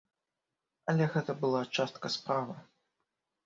Але гэта была частка справы.